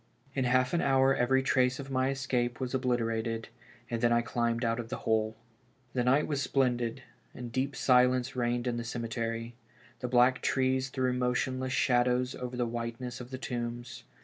In half an hour every trace of my escape was obliterated, and then I climbed out of the hole. The night was splendid, and deep silence reigned in the cemetery ; the black trees threw motionless shadows over the whiteness of the tombs.